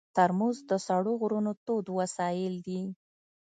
ترموز د سړو غرونو تود وسایل دي.